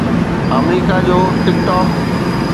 آمريڪا جو ٽڪ ٽاڪ